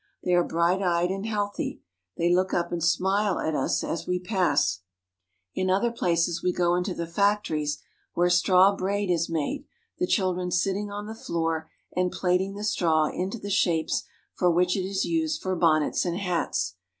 They are bright eyed and healthy. They look up and smile at us as we pass. Making Straw Braid. In other places we go into the factories where straw braid is made, the children sitting on the floor and plaiting the straw into the shapes for which it is used for bonnets and hats.